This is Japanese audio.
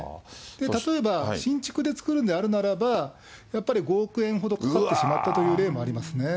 例えば新築で作るんであるならば、やっぱり５億円ほどかかってしまったという例もありますね。